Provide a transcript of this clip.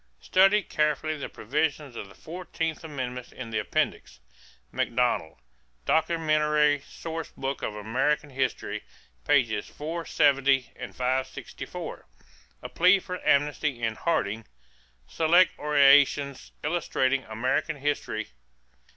= Study carefully the provisions of the fourteenth amendment in the Appendix. Macdonald, Documentary Source Book of American History, pp. 470 and 564. A plea for amnesty in Harding, Select Orations Illustrating American History, pp.